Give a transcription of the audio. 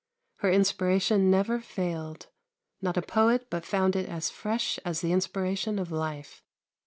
Her inspiration never failed; not a poet but found it as fresh as the inspiration of life.